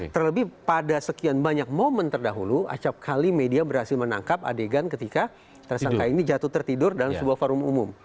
terlebih pada sekian banyak momen terdahulu acapkali media berhasil menangkap adegan ketika tersangka ini jatuh tertidur dalam sebuah forum umum